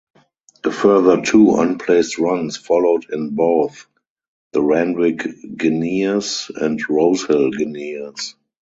A further two unplaced runs followed in both the Randwick Guineas and Rosehill Guineas.